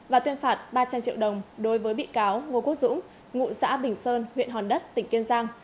và tuyên phạt ba trăm linh triệu đồng đối với bị cáo ngô quốc dũng ngụ xã bình sơn huyện hòn đất tỉnh kiên giang